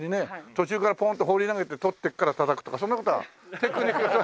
途中からポンッと放り投げて取ってからたたくとかそんな事は？